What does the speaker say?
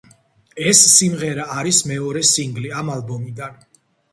ეს სიმღერა არის მეორე სინგლი ამ ალბომიდან.